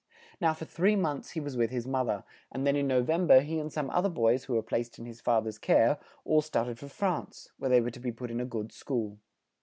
Now for three months he was with his moth er, and then in No vem ber he and some oth er boys who were placed in his fa ther's care, all start ed for France, where they were to be put in a good school.